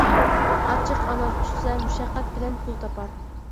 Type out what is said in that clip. ئاچچىق ئانار چۈشىسە، مۇشەققەت بىلەن پۇل تاپار.